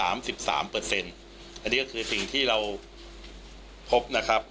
อันนี้ก็คือสิ่งที่เราพบนะครับ